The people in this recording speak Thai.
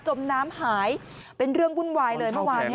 จมน้ำหายเป็นเรื่องวุ่นวายเลยเมื่อวาน